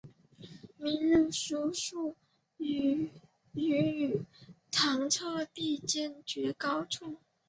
明日书数语于堂侧壁间绝高处。